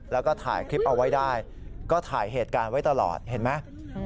แล้วก็ถ่ายคลิปเอาไว้ได้ก็ถ่ายเหตุการณ์ไว้ตลอดเห็นไหม